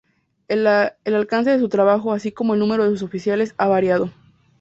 El alcance de su trabajo, así como el número de sus oficiales, ha variado.